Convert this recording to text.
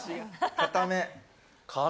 硬め。